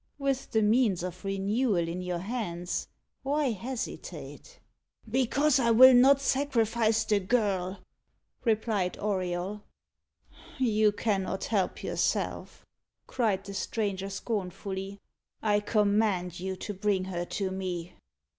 With the means of renewal in your hands, why hesitate?" "Because I will not sacrifice the girl," replied Auriol. "You cannot help yourself," cried the stranger scornfully. "I command you to bring her to me."